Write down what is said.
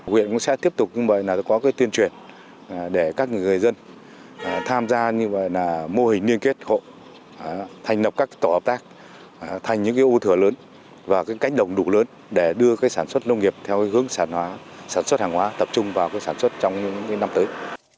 quyện cũng sẽ tiếp tục như vậy là có tuyên truyền để các người dân tham gia như vậy là mô hình liên kết hộ thành lập các tổ hợp tác thành những ưu thừa lớn và cách đồng đủ lớn để đưa sản xuất nông nghiệp theo hướng sản xuất hàng hóa tập trung vào sản xuất trong những năm tới